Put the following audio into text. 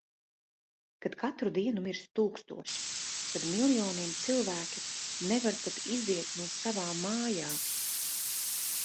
Kad katru dienu mirst tūkstoši. Kad miljoniem cilvēki nevar pat iziet no savām mājām.